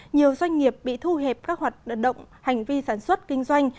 nhiều doanh nghiệp bị thu hẹp các hoạt động hành vi sản xuất kinh doanh